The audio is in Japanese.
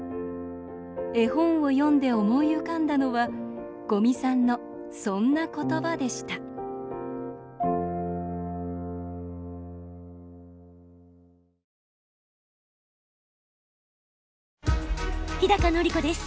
絵本を読んで思い浮かんだのは五味さんのそんな言葉でした日のり子です。